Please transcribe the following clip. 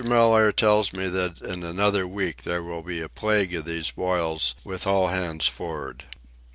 Mellaire tells me that in another week there will be a plague of these boils with all hands for'ard.